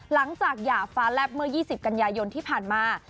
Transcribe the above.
หย่าฟ้าแลบเมื่อ๒๐กันยายนที่ผ่านมา